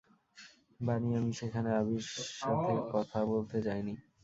বানি, আমি সেখানে আবির সাথে কথা বলতে যাই নি।